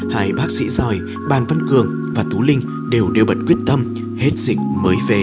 hai bác sĩ giỏi ban văn cường và thú linh đều đều bật quyết tâm hết dịch mới về